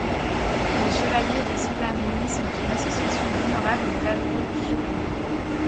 Les Chevaliers de Solamnie sont une association d'honorables et valeureux chevaliers.